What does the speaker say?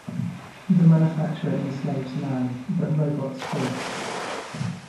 The manufacturer enslaves man, but robots free us.